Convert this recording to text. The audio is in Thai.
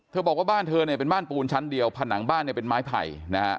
บอกว่าบ้านเธอเนี่ยเป็นบ้านปูนชั้นเดียวผนังบ้านเนี่ยเป็นไม้ไผ่นะฮะ